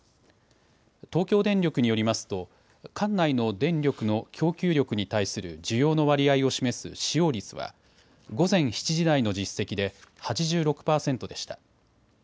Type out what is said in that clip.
東京電力によりますと管内の電力の供給力に対する需要の割合を示す使用率は午前７時台の実績で８６％でした。